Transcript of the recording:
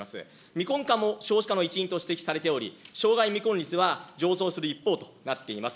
未婚化も少子化の一因とされており、生涯未婚率は上昇する一方となっております。